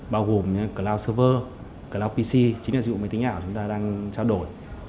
bao gồm cloud server cloud pc chính là dịch vụ máy tính ảo chúng ta đang trao đổi